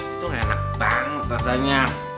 itu enak banget rasanya